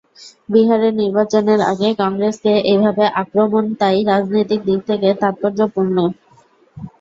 বিহারের নির্বাচনের আগে কংগ্রেসকে এইভাবে আক্রমণ তাই রাজনৈতিক দিক থেকে তাৎপর্যপূর্ণ।